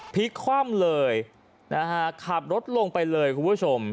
ภัยขว้ำเลยขับรถลงไปเลยคุณผู้ชม